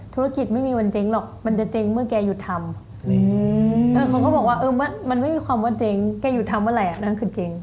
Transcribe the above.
ธุรกิจเขาไม่มีภาพอันเจ๊งหรอก